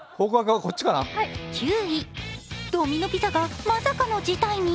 ９位、ドミノ・ピザがまさかの事態に。